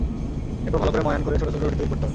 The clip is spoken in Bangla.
এরপর ভালো করে ময়ান করে ছোট ছোট রুটি তৈরি করতে হবে।